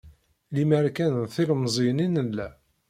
Lemer kan d tilemẓiyin i nella.